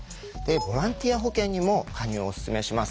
ボランティア保険にも加入をオススメします。